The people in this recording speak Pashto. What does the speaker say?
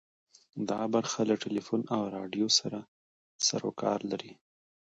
دا برخه له ټلیفون او راډیو سره سروکار لري.